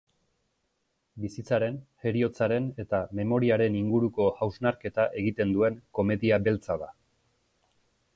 Bizitzaren, heriotzaren eta memoriaren inguruko hausnarketa egiten duen komedia beltza da.